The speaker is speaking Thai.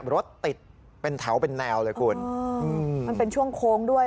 รถติดเป็นแถวเป็นแนวเลยคุณมันเป็นช่วงโค้งด้วย